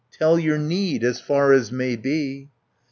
Tell your need, as far as may be."